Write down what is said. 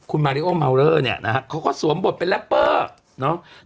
คุณมาริโอมาวเลอร์เนี่ยนะฮะเขาก็สวมบทเป็นแรปเปอร์เนาะ